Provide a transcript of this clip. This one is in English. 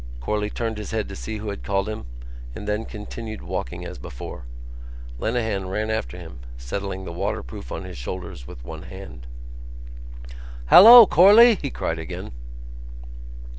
Corley turned his head to see who had called him, and then continued walking as before. Lenehan ran after him, settling the waterproof on his shoulders with one hand. "Hallo, Corley!" he cried again.